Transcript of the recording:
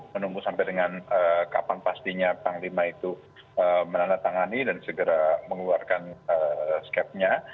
menunggu sampai dengan kapan pastinya panglima itu menandatangani dan segera mengeluarkan skepnya